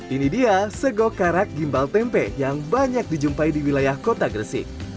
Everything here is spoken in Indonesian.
ini dia sego karak gimbal tempe yang banyak dijumpai di wilayah kota gresik